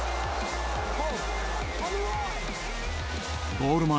ゴール前。